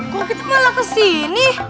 kok kita malah kesini